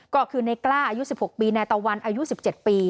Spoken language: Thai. ก็คือในกล้าอายุ๑๖ปีนายตะวันอายุ๑๗ปี